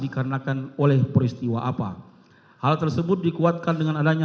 kita harus membuatnya